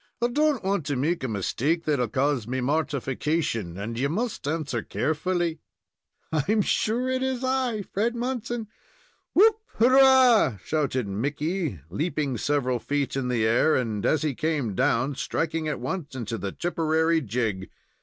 I don't want to make a mistake that'll cause me mortification, and ye must answer carefully.'' "I'm sure it is I, Fred Munson." "Whoop! hurrah!" shouted Mickey, leaping several feet in the air, and, as he came down, striking at once into the Tipperary jig.